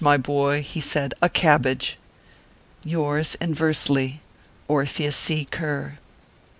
my boy he said " A cabbage !" Yours, inversely, ORPHEUS C. KERR.